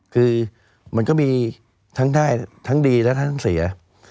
คือมันก็มีทั้งได้ทั้งดีและทั้งเสีย